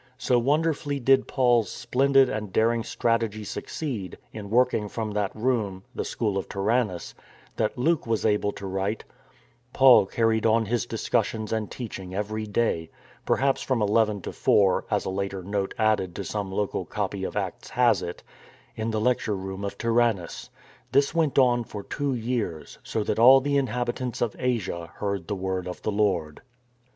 ^ So wonderfully did Paul's splendid and daring strategy succeed, in working from that room, the school of Tyrannus, that Luke was able to write: —" Paul carried on his discussions and teaching every day "— perhaps from eleven to four, as a later note added to some local copy of Acts has it —in the lecture room of Tyrannus. This went on for two years, so that all the inhabitants of Asia heard the word of the Lord."